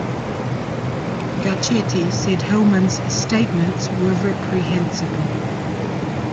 Garcetti said Hillmann's statements were reprehensible.